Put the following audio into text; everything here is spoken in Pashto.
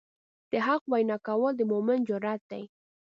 د حق وینا کول د مؤمن جرئت دی.